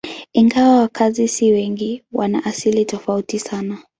Ingawa wakazi si wengi, wana asili tofauti sana.